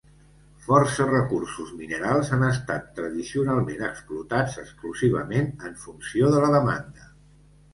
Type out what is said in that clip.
Força recursos minerals han estat tradicionalment explotats exclusivament en funció de la demanda.